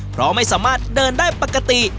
เพราะไม่สามารถเดินได้ปกติ